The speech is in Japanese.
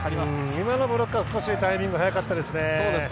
今のブロックは少しタイミングが早かったですね。